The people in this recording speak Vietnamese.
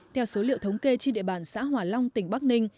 theo số liệu thống kê trên địa bàn xã hòa long tỉnh bắc ninh